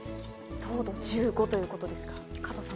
糖度１５ということですが、加藤さん。